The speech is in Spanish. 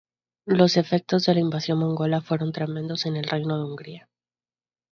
Los efectos de la invasión mongola fueron tremendos en el reino de Hungría.